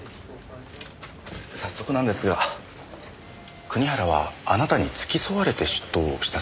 早速なんですが国原はあなたに付き添われて出頭したそうですね？